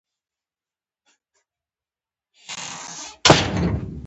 د کندز په چهار دره کې د تیلو نښې شته.